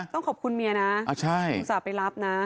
ต้องขอบคุณเมียนะอุตส่าห์ไปรับนะ